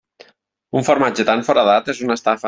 Un formatge tan foradat és una estafa!